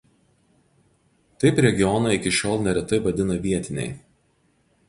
Taip regioną iki šiol neretai vadina vietiniai.